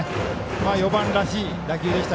４番らしい打球でした。